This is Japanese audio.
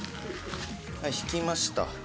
はい敷きました」